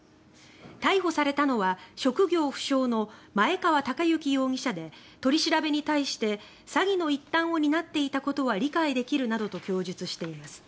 逮捕されたのは職業不詳の前川孝幸容疑者で取り調べに対して詐欺の一端を担っていたことは理解できるなどと供述しています。